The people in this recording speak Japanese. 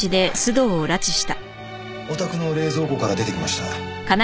お宅の冷蔵庫から出てきました。